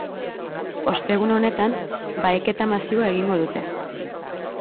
Ostegun honetan baheketa masiboa egingo dute.